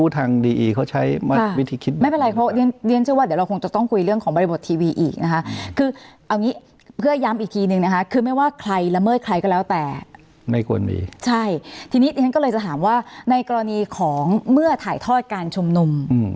ทีนี้ดิฉันก็เลยจะถามว่าในกรณีของเมื่อถ่ายทอดการชุมนุม